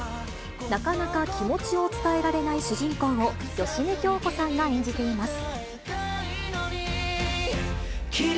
なかなか気持ちを伝えられない主人公を芳根京子さんが演じています。